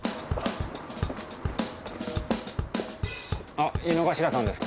あっ井之頭さんですか？